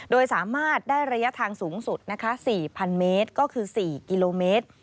โดยสามารถได้ระยะทางสูงสุดนะคะ๔๐๐เมตรก็คือ๔กิโลเมตร